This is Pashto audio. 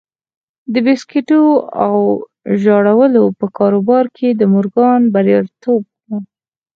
د بيسکويټو او ژاولو په کاروبار کې د مورګان برياليتوب و.